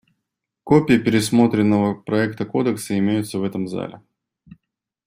Копии пересмотренного проекта кодекса имеются в этом зале.